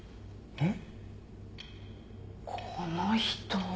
えっ？